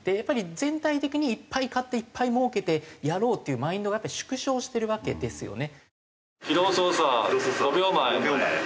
全体的にいっぱい買っていっぱい儲けてやろうっていうマインドがやっぱ縮小してるわけですよね。